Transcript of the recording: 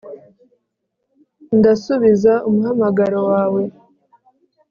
Ndasubiza umuhamagaro wawe